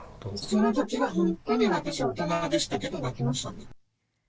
そのときは本当に私、大人でしたけど、泣きましたね。